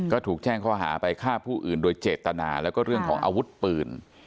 ก็ถูกแจ้งข้อหาไปฆ่าผู้อื่นโดยเจตนาแล้วก็เรื่องของอาวุธปืน